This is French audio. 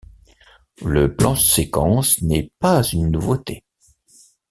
Le plan-séquence n’est pas une nouveauté.